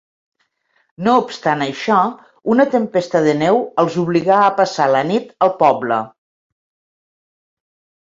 No obstant això, una tempesta de neu els obliga a passar la nit al poble.